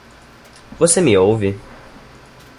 Você me ouve?